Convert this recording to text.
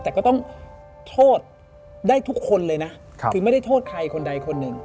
แต่ก็ต้องโทษได้ทุกคนเลยนะคือไม่ได้โทษใครคนใดคนหนึ่ง